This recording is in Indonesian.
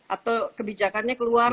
atau kebijakannya keluar